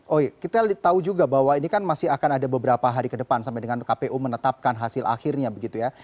oh kita tahu juga bahwa ini kan masih akan ada beberapa hari ke depan sampai dengan kpu menetapkan hasil akhirnya begitu ya